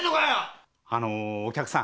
あのうお客さん